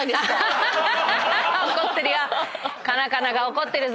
怒ってるよ！